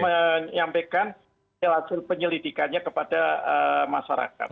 menyampaikan hasil penyelidikannya kepada masyarakat